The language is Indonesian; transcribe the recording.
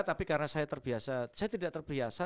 tapi karena saya terbiasa saya tidak terbiasa